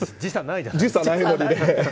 時差ないのにね。